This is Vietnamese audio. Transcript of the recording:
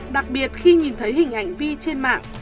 đặc biệt khi nhìn thấy hình ảnh vi trên mạng